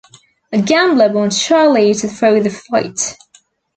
A gambler wants Charlie to throw the fight.